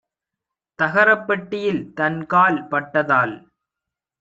தகரப் பெட்டியில் தன்கால் பட்டதால்